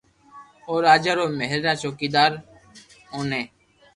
او راجا رو مھل را چوڪيدار اوني